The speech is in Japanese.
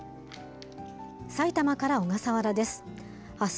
さいたまから小笠原です。